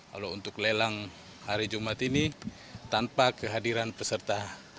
kalau untuk lelang hari jumat ini tanpa kehadiran peserta